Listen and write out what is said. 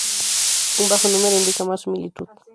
Un bajo número indica más similitud.